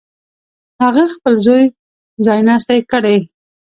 هغه خپل زوی ځایناستی کړي.